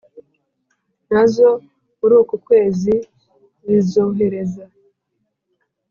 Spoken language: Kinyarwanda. nazo muri uku kwezi zizohereza